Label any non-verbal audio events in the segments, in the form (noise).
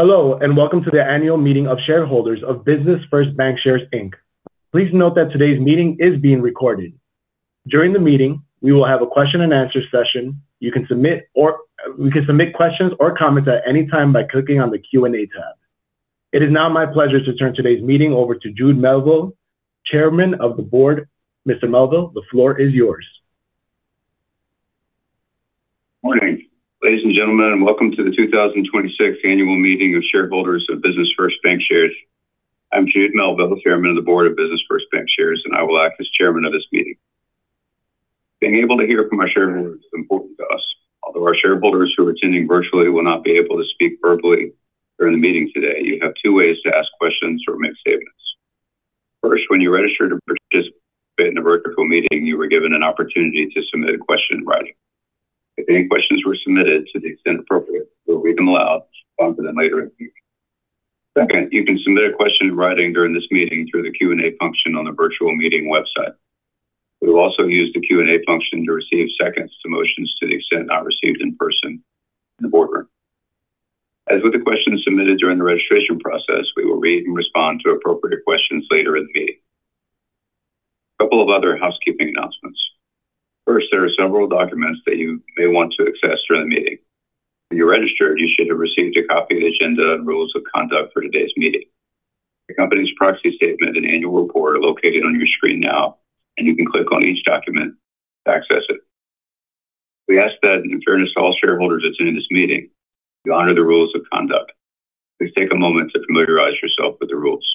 Hello, welcome to the annual meeting of shareholders of Business First Bancshares, Inc. Please note that today's meeting is being recorded. During the meeting, we will have a question and answer session. You can submit questions or comments at any time by clicking on the Q&A tab. It is now my pleasure to turn today's meeting over to Jude Melville, Chairman of the Board. Mr. Melville, the floor is yours. Morning, ladies and gentlemen, and welcome to the 2026 Annual Meeting of Shareholders of Business First Bancshares. I'm Jude Melville, Chairman of the Board of Business First Bancshares, and I will act as chairman of this meeting. Being able to hear from our shareholders is important to us. Although our shareholders who are attending virtually will not be able to speak verbally during the meeting today, you have two ways to ask questions or make statements. First, when you registered to participate in the virtual meeting, you were given an opportunity to submit a question in writing. If any questions were submitted, to the extent appropriate, we'll read them aloud and respond to them later in the meeting. Second, you can submit a question in writing during this meeting through the Q&A function on the virtual meeting website. We will also use the Q&A function to receive seconds to motions to the extent not received in person in the boardroom. As with the questions submitted during the registration process, we will read and respond to appropriate questions later in the meeting. A couple of other housekeeping announcements. First, there are several documents that you may want to access during the meeting. When you registered, you should have received a copy of the agenda and rules of conduct for today's meeting. The company's proxy statement and annual report are located on your screen now, and you can click on each document to access it. We ask that in fairness to all shareholders attending this meeting, you honor the rules of conduct. Please take a moment to familiarize yourself with the rules.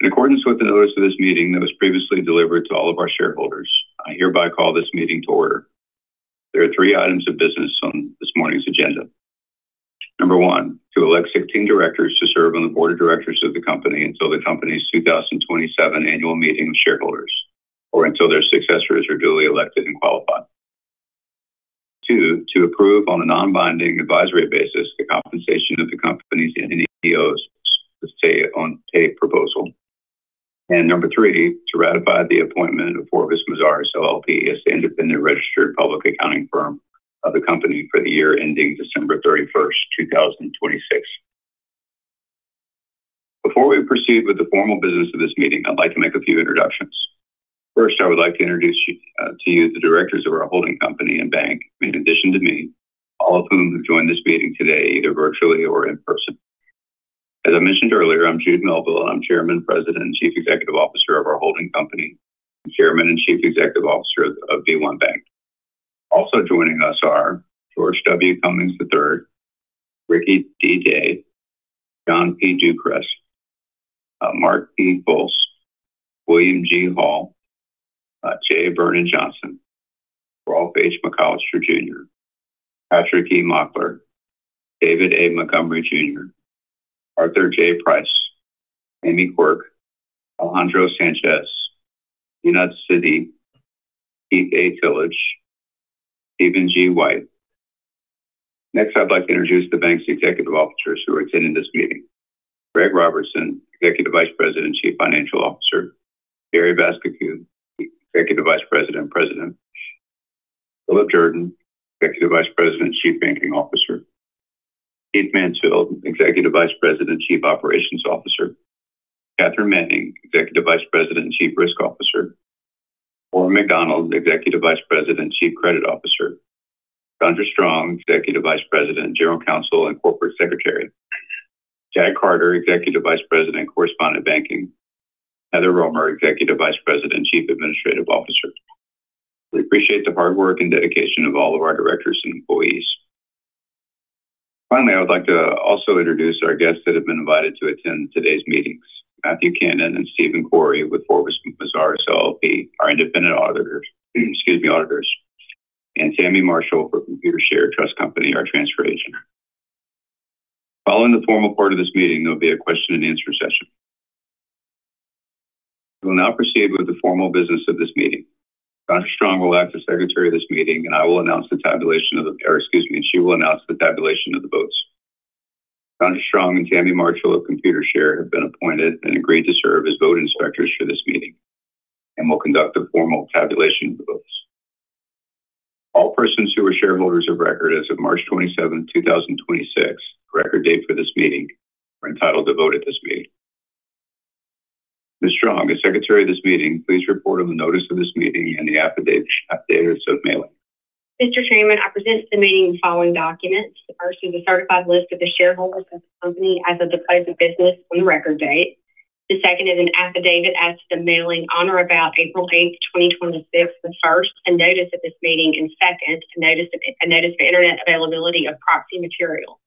In accordance with the notice of this meeting that was previously delivered to all of our shareholders, I hereby call this meeting to order. There are three items of business on this morning's agenda. Number one, to elect 16 directors to serve on the board of directors of the company until the company's 2027 annual meeting of shareholders or until their successors are duly elected and qualified. two, to approve on a non-binding advisory basis the compensation of the company's NEOs' say-on-pay proposal. Number three, to ratify the appointment of Forvis Mazars LLP as the independent registered public accounting firm of the company for the year ending December 31st, 2026. Before we proceed with the formal business of this meeting, I'd like to make a few introductions. First, I would like to introduce to you the directors of our holding company and bank, in addition to me, all of whom have joined this meeting today, either virtually or in person. As I mentioned earlier, I'm Jude Melville. I'm Chairman, President, and Chief Executive Officer of our holding company, and Chairman and Chief Executive Officer of b1BANK. Also joining us are George W. Cummings III, Ricky D. Day, John P. Ducrest, Mark P. Folse, William G. Hall, J. Vernon Johnson, Rolfe H. McCollister Jr., Patrick E. Mockler, David A. Montgomery Jr., Arthur J. Price, Aimee Quirk, Alejandro Sanchez, Zeenat Sidi, Keith A. Tillage, Steven G. White. Next, I'd like to introduce the bank's executive officers who are attending this meeting. Greg Robertson, Executive Vice President, Chief Financial Officer. Jerry Vascocu, Executive Vice President, President. Philip Jordan, Executive Vice President, Chief Banking Officer. Keith Mansfield, Executive Vice President, Chief Operations Officer. Kathryn Manning, Executive Vice President and Chief Risk Officer. Warren McDonald, Executive Vice President, Chief Credit Officer. Saundra Strong, Executive Vice President, General Counsel, and Corporate Secretary. Jack Carter, Executive Vice President, Correspondent Banking. Heather Roemer, Executive Vice President, Chief Administrative Officer. We appreciate the hard work and dedication of all of our directors and employees. Finally, I would like to also introduce our guests that have been invited to attend today's meetings. Matthew Cannon and Steven Khoury with Forvis Mazars LLP, our independent auditors. Tammie Marshall for Computershare Trust Company, our transfer agent. Following the formal part of this meeting, there'll be a question and answer session. We will now proceed with the formal business of this meeting. Saundra Strong will act as Secretary of this meeting, and I will announce the tabulation of the, or excuse me. She will announce the tabulation of the votes. Saundra Strong and Tammie Marshall of Computershare have been appointed and agreed to serve as vote inspectors for this meeting and will conduct a formal tabulation of the votes. All persons who are shareholders of record as of March 27th, 2026, record date for this meeting, are entitled to vote at this meeting. Ms. Strong, as Secretary of this meeting, please report on the notice of this meeting and the affidavit as to mailing. Mr. Chairman, I present to the meeting the following documents. First is a certified list of the shareholders of the company as of the close of business on the record date. The second is an affidavit as to the mailing on or about April 8, 2026, the first, a notice of this meeting, and second, a notice of the internet availability of proxy material.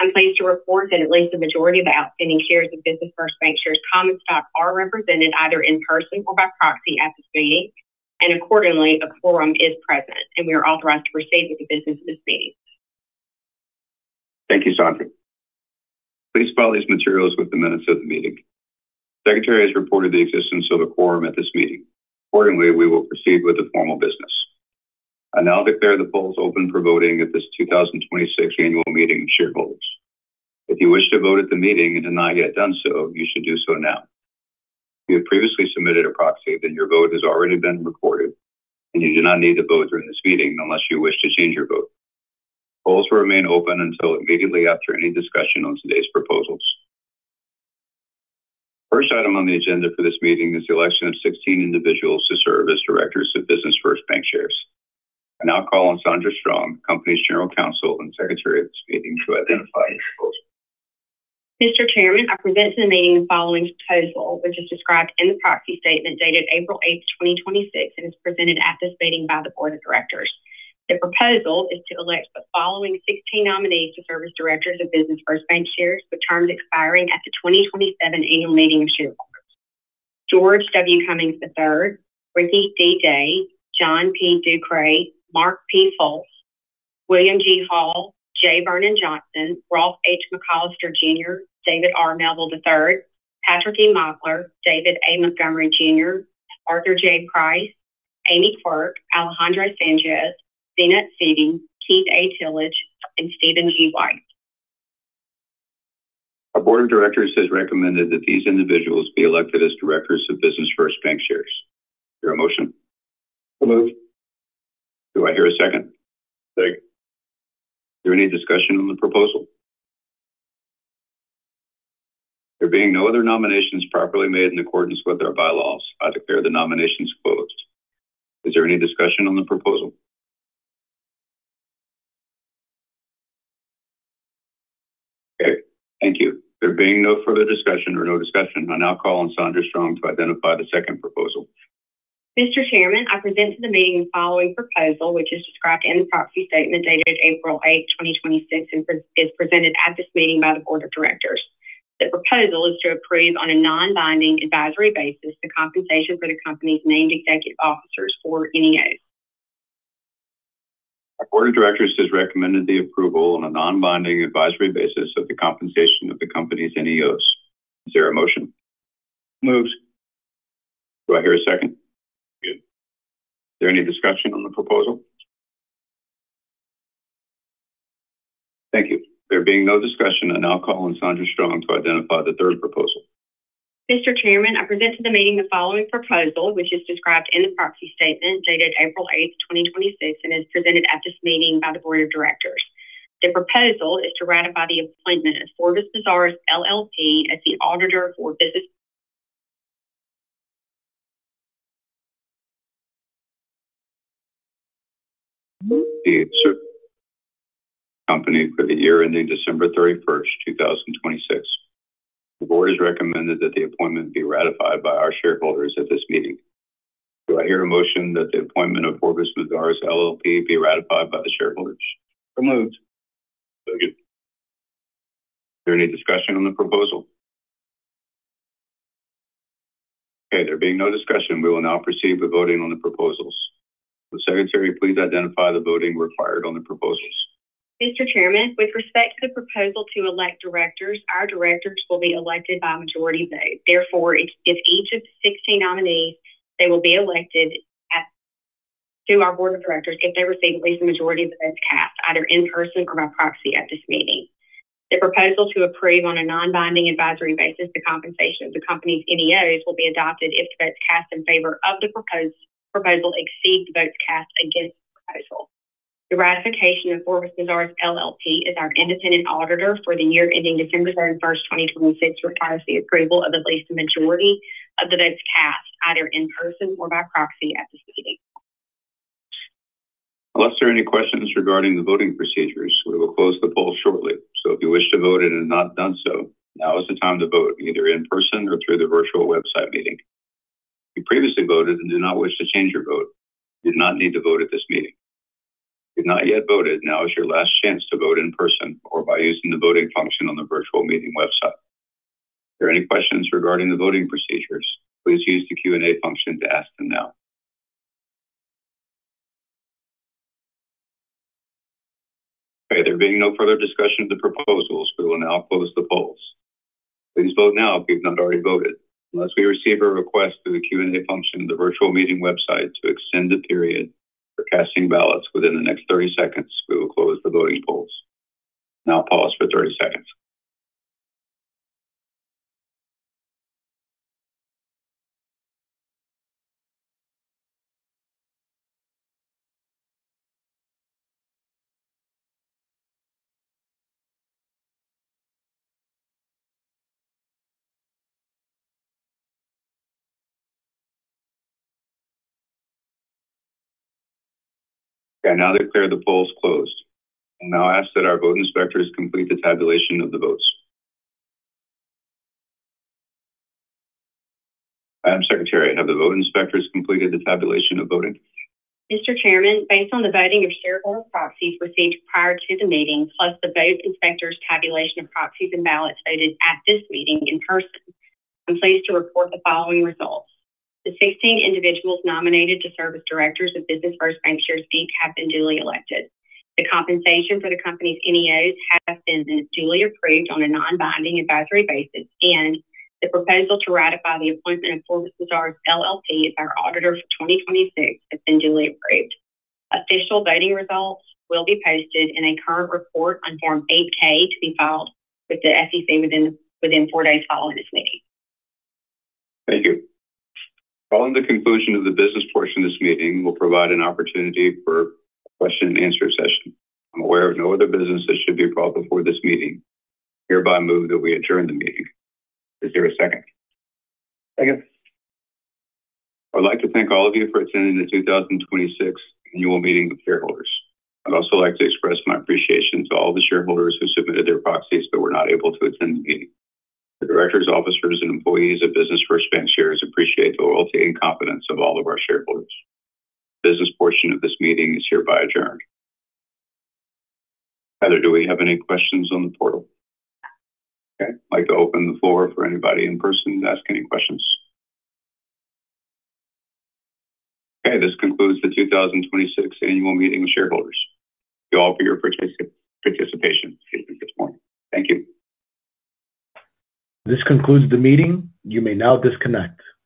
I'm pleased to report that at least a majority of the outstanding shares of Business First Bancshares common stock are represented either in person or by proxy at this meeting, and accordingly, a quorum is present, and we are authorized to proceed with the business of this meeting. Thank you, Saundra. Please file these materials with the minutes of the meeting. Secretary has reported the existence of a quorum at this meeting. Accordingly, we will proceed with the formal business. I now declare the polls open for voting at this 2026 annual meeting of shareholders. If you wish to vote at the meeting and have not yet done so, you should do so now. If you had previously submitted a proxy, then your vote has already been recorded, and you do not need to vote during this meeting unless you wish to change your vote. Polls will remain open until immediately after any discussion on today's proposals. First item on the agenda for this meeting is the election of 16 individuals to serve as directors of Business First Bancshares. I now call on Saundra Strong, the company's General Counsel and Secretary of this meeting, to identify the proposal. Mr. Chairman, I present to the meeting the following proposal, which is described in the proxy statement dated April 8th, 2026, and is presented at this meeting by the board of directors. The proposal is to elect the following 16 nominees to serve as directors of Business First Bancshares, with terms expiring at the 2027 annual meeting of shareholders: George W. Cummings III, Ricky D. Day, John P. Ducrest, Mark P. Folse, William G. Hall, J. Vernon Johnson, Rolfe H. McCollister Jr., David R. Melville III, Patrick E. Mockler, David A. Montgomery Jr., Arthur J. Price, Aimee Quirk, Alejandro Sanchez, Zeenat Sidi, Keith A. Tillage, and Steven G. White. Our board of directors has recommended that these individuals be elected as directors of Business First Bancshares. Is there a motion? (inaudible) moved. Do I hear a second? Second. Is there any discussion on the proposal? There being no other nominations properly made in accordance with our bylaws, I declare the nominations closed. Is there any discussion on the proposal? Okay, thank you. There being no further discussion or no discussion, I now call on Saundra Strong to identify the second proposal. Mr. Chairman, I present to the meeting the following proposal, which is described in the proxy statement dated April 8th, 2026 and is presented at this meeting by the board of directors. The proposal is to approve, on a non-binding advisory basis, the compensation for the company's Named Executive Officers or NEOs. Our board of directors has recommended the approval, on a non-binding advisory basis, of the compensation of the company's NEOs. Is there a motion? Moved. Do I hear a second? Second. Is there any discussion on the proposal? Thank you. There being no discussion, I now call on Saundra Strong to identify the third proposal. Mr. Chairman, I present to the meeting the following proposal, which is described in the proxy statement dated April 8th, 2026 and is presented at this meeting by the board of directors. The proposal is to ratify the appointment of Forvis Mazars LLP as the auditor for Business- The company for the year ending December 31st, 2026. The board has recommended that the appointment be ratified by our shareholders at this meeting. Do I hear a motion that the appointment of Forvis Mazars LLP be ratified by the shareholders? (inaudible) moved. Second. Is there any discussion on the proposal? Okay, there being no discussion, we will now proceed with voting on the proposals. Will the secretary please identify the voting required on the proposals? Mr. Chairman, with respect to the proposal to elect directors, our directors will be elected by a majority vote. Therefore, if each of the 16 nominees, they will be elected to our board of directors if they receive at least a majority of the votes cast, either in person or by proxy at this meeting. The proposal to approve, on a non-binding advisory basis, the compensation of the company's NEOs will be adopted if the votes cast in favor of the proposal exceed the votes cast against the proposal. The ratification of Forvis Mazars LLP as our independent auditor for the year ending December 31st, 2026, requires the approval of at least a majority of the votes cast, either in person or by proxy at this meeting. Unless there are any questions regarding the voting procedures, we will close the poll shortly. If you wish to vote and have not done so, now is the time to vote, either in person or through the virtual website meeting. If you previously voted and do not wish to change your vote, you do not need to vote at this meeting. If you have not yet voted, now is your last chance to vote in person or by using the voting function on the virtual meeting website. If there are any questions regarding the voting procedures, please use the Q&A function to ask them now. There being no further discussion of the proposals, we will now close the polls. Please vote now if you've not already voted. Unless we receive a request through the Q&A function of the virtual meeting website to extend the period for casting ballots within the next 30 seconds, we will close the voting polls. Now I'll pause for 30 seconds. Okay, I now declare the polls closed. I'll now ask that our vote inspectors complete the tabulation of the votes. Madam Secretary, have the vote inspectors completed the tabulation of voting? Mr. Chairman, based on the voting of shareholder proxies received prior to the meeting, plus the vote inspectors' tabulation of proxies and ballots voted at this meeting in person, I'm pleased to report the following results. The 16 individuals nominated to serve as directors of Business First Bancshares, Inc. have been duly elected. The compensation for the company's NEOs has been duly approved on a non-binding advisory basis. The proposal to ratify the appointment of Forvis Mazars LLP as our auditor for 2026 has been duly approved. Official voting results will be posted in a current report on Form 8-K to be filed with the SEC within four days following this meeting. Thank you. Following the conclusion of the business portion of this meeting, we'll provide an opportunity for a question and answer session. I'm aware of no other business that should be brought before this meeting. I hereby move that we adjourn the meeting. Is there a second? Second. I would like to thank all of you for attending the 2026 annual meeting of shareholders. I'd also like to express my appreciation to all the shareholders who submitted their proxies but were not able to attend the meeting. The directors, officers, and employees of Business First Bancshares appreciate the loyalty and confidence of all of our shareholders. The business portion of this meeting is hereby adjourned. Heather, do we have any questions on the portal? Okay, I'd like to open the floor for anybody in person to ask any questions. Okay, this concludes the 2026 annual meeting of shareholders. Thank you all for your participation this morning. Thank you. This concludes the meeting. You may now disconnect.